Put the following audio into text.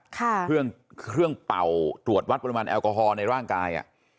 เครื่องเป่าตรวจวัดปริมาณแอลกอฮอล์ในร่างกาย